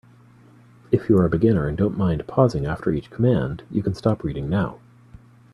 If you are a beginner and don't mind pausing after each command, you can stop reading now.